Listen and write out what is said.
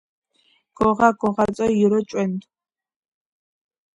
გოღა გოღაწო ირო ჭვენდუ